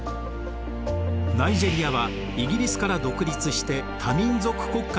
ナイジェリアはイギリスから独立して多民族国家となっていました。